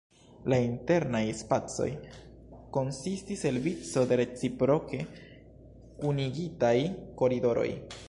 La internaj spacoj konsistis el vico de reciproke kunigitaj koridoroj.